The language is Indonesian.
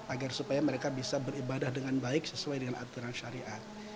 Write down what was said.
agar supaya mereka bisa beribadah dengan baik sesuai dengan aturan syariat